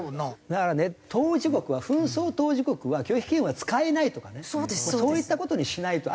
だからね当事国は紛争当事国は拒否権は使えないとかねそういった事にしないと。